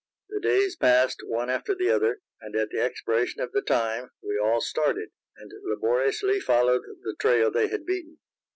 The days passed one after the other, and at the expiration of the time, we all started, and laboriously followed the trail they had beaten.